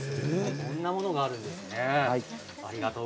こんなものがあるんですね。